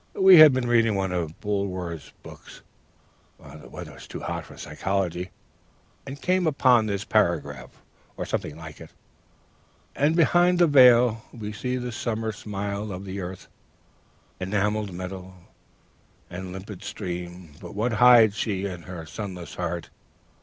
We had been reading one of Bulwer's works (the weather was too hot for Psychology), and came upon this paragraph, or something like it: "'Ah, Behind the Veil! We see the summer smile of the Earth, enamelled meadow and limpid stream, but what hides she in her sunless heart?